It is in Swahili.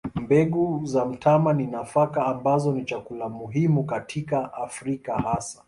Mbegu za mtama ni nafaka ambazo ni chakula muhimu katika Afrika hasa.